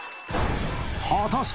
果たして